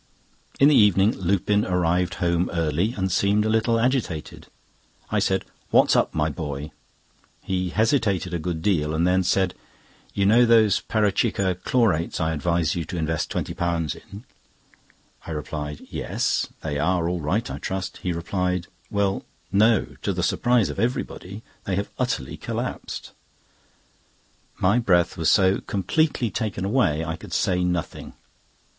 In the evening Lupin arrived home early, and seemed a little agitated. I said: "What's up, my boy?" He hesitated a good deal, and then said: "You know those Parachikka Chlorates I advised you to invest £20 in?" I replied: "Yes, they are all right, I trust?" He replied: "Well, no! To the surprise of everybody, they have utterly collapsed." My breath was so completely taken away, I could say nothing.